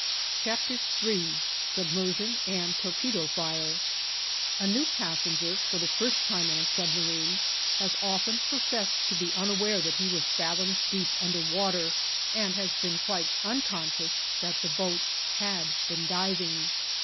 III SUBMERSION AND TORPEDO FIRE A new passenger, for the first time in a submarine, has often professed to be unaware that he was fathoms deep under water and has been quite unconscious that the boat had been diving.